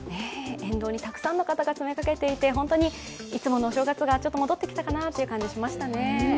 沿道にたくさんの方が詰めかけていて、本当にいつものお正月がちょっと戻ってきたかなという感じがしましたね。